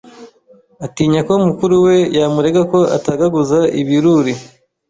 Atinya ko mukuru we yamurega ko atagaguza ibiruri